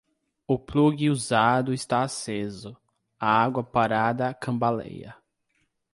O plugue usado está aceso, a água parada cambaleia.